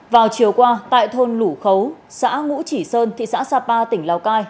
vào chiều qua tại thôn lũ khấu xã ngũ chỉ sơn thị xã sapa tỉnh lào cai